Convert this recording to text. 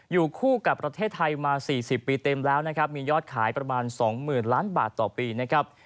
อยู่คู่กับประเทศไทยมา๔๐ปีเต็มแล้วนะครับมียอดขายประมาณ๒๐๐๐ล้านบาทต่อปีนะครับ